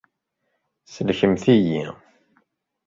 Sellkemt-iyi.